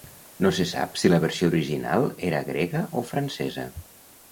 No se sap si la versió original era grega o francesa.